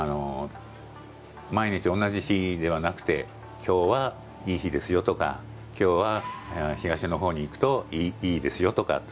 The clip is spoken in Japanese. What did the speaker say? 毎日、同じ日ではなくてきょうはいい日ですよとかきょうは東のほうに行くといいですよとか。